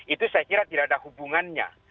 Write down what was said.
itu saya kira tidak ada hubungannya